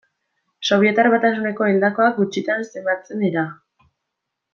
Sobietar Batasuneko hildakoak gutxitan zenbatzen dira.